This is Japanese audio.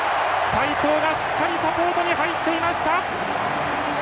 齋藤がしっかりサポートに入っていました！